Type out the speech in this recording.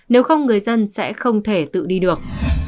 nếu không người dân sẽ không thể tự đi được